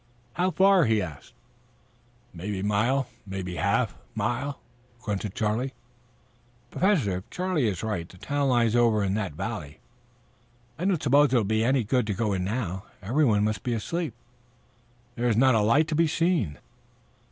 "How far?" he asked. "Mebby mile, mebby half mile," grunted Charlie. "Professor, if Charlie is right, the town lies over in that valley. I don't suppose it will do any good to go in now. Everyone must be asleep. There is not a light to be seen."